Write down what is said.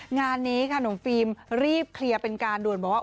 งานนี้ค่ะหนุ่มฟิล์มรีบเคลียร์เป็นการด่วนบอกว่า